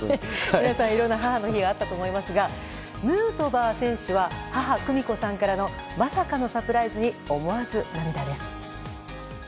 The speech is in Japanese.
皆さん、いろんな母の日があったと思いますがヌートバー選手は母・久美子さんからのまさかのサプライズに思わず涙です。